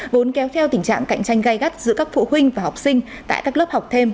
vốn kéo theo tình trạng cạnh tranh gai gắt giữa các phụ huynh và học sinh tại các lớp học thêm